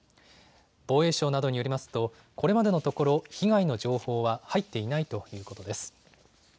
防衛省などによりますとこれまでのところ被害の情報は入っていないということです。